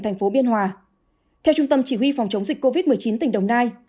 thành phố biên hòa theo trung tâm chỉ huy phòng chống dịch covid một mươi chín tỉnh đồng nai